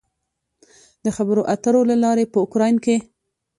د خبرو اترو له لارې په اوکراین کې